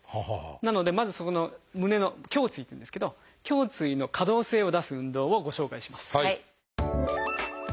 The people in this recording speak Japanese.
なのでまずそこの胸の「胸椎」っていうんですけど胸椎の可動性を出す運動をご紹介します。